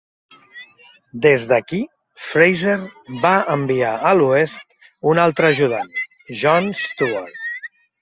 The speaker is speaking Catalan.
Des d'aquí, Fraser va enviar a l'oest un altre ajudant, John Stuart.